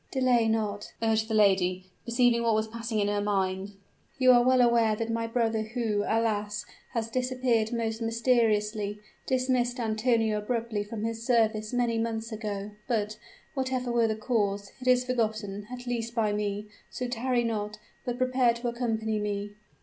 "Delay not," urged the lady, perceiving what was passing in her mind. "You are well aware that my brother, who, alas! has disappeared most mysteriously, dismissed Antonio abruptly from his service many months ago; but, whatever were the cause, it is forgotten, at least by me. So tarry not, but prepare to accompany me."